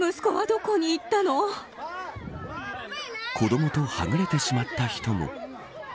子どもとはぐれてしまった人も。